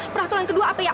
peraturan kedua apa ya